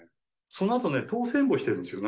そのあとね通せんぼしてるんですよ